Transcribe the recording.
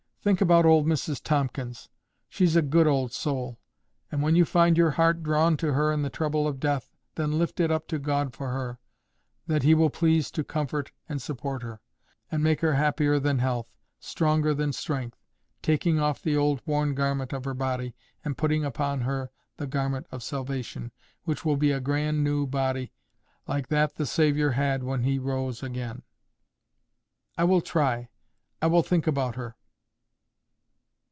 Think about old Mrs Tomkins; she's a good old soul; and when you find your heart drawn to her in the trouble of death, then lift it up to God for her, that He will please to comfort and support her, and make her happier than health—stronger than strength, taking off the old worn garment of her body, and putting upon her the garment of salvation, which will be a grand new body, like that the Saviour had when He rose again." "I will try. I will think about her."